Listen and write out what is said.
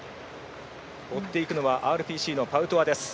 追っているのはＲＰＣのパウトワです。